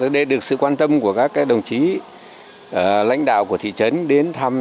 để được sự quan tâm của các đồng chí lãnh đạo của thị trấn đến thăm